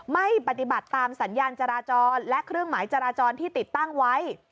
ไม่ปฏิบัติตามสัญญาณจราจรและเครื่องหมายจราจรที่ติดตั้งไว้